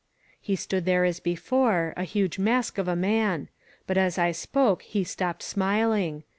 He stood there as before, a huge mask of a man. But as I spoke he stopped smiling.